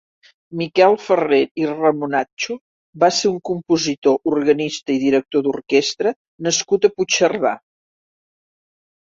Miquel Ferrer i Ramonatxo va ser un compositor, organista i director d'orquestra nascut a Puigcerdà.